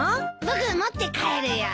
僕持って帰るよ。